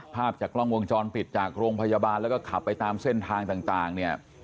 ภาพจากกล้องวงจรปิดจากโรงพยาบาลแล้วก็ขับไปตามเส้นทางต่างเนี่ย